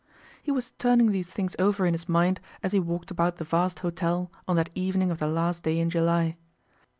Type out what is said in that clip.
He was turning these things over in his mind as he walked about the vast hotel on that evening of the last day in July.